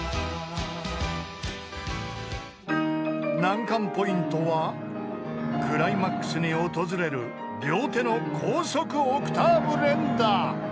［難関ポイントはクライマックスに訪れる両手の高速オクターブ連打］